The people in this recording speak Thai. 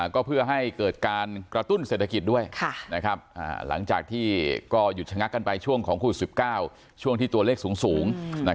ก็เพื่อให้เกิดการกระตุ้นเศรษฐกิจด้วยหลังจากที่ก็หยุดชะงักกันไปช่วงของโควิด๑๙ช่วงที่ตัวเลขสูง